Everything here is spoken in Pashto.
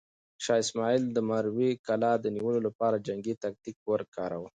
شاه اسماعیل د مروې کلا د نیولو لپاره جنګي تاکتیک وکاراوه.